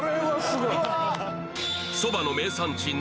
そばの名産地